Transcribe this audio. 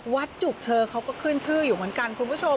จุกเชอเขาก็ขึ้นชื่ออยู่เหมือนกันคุณผู้ชม